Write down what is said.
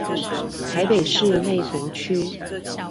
台北市內湖區